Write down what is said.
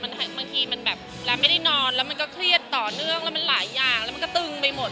ตอนนี้ไปนอนก็เครียดต่อเนื่องมาตึงไปหมด